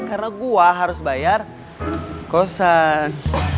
karena gue harus bayar kosan